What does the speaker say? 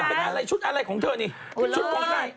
เอาอะไรมาให้ค่ะชุดอะไรของเธอนี่ชุดของใคร